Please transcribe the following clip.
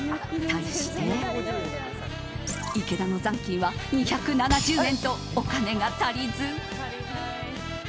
対して、池田の残金は２７０円とお金が足りず。